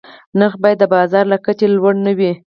نرخ باید د بازار له کچې لوړ نه وي.